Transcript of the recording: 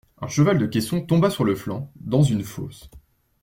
Un cheval de caisson tomba sur le flanc, dans une fosse.